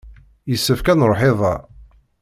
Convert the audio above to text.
Yessefk ad nruḥ iḍ-a.